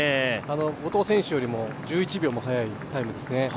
後藤選手よりも１１秒も速いタイムですね。